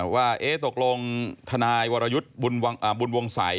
ว่าเอ๊ยตกลงธนายวรรยุจบุญวงศัย